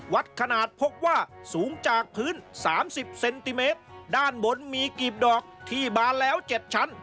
วัดขนาดพบว่าสูงจากพื้นสามสิบเซนติเมตรด้านบนมีกีบดอกที่บานแล้วเจ็ดชั้น